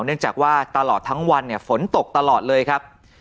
เนื่องจากว่าตลอดทั้งวันเนี่ยฝนตกตลอดเลยครับ